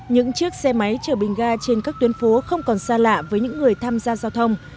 những chiếc xe máy chở bình ga trên các tuyến phố không còn xa lạ với những người tham gia giao thông